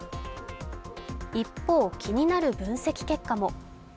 一方、気になる分析結果も。